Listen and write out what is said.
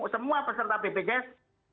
semua peserta bpjs